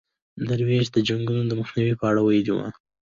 درویش د جنګونو د مخنیوي په اړه ویلي وو.